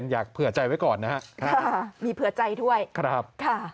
อยากเผื่อใจไว้ก่อนนะครับมีเผื่อใจด้วยครับค่ะ